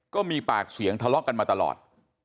ก็มีปากเสียงทะเลาะกันมาตลอด